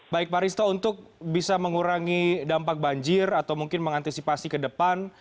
baik pak risto untuk bisa mengurangi dampak banjir atau mungkin mengantisipasi ke depan